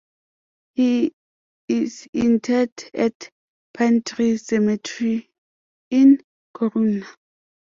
He is interred at Pinetree Cemetery in Corunna.